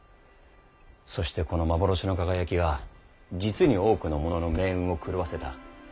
そしてこの幻の輝きが実に多くの者の命運を狂わせた。